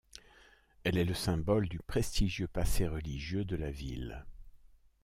Elle est le symbole du prestigieux passé religieux de la ville.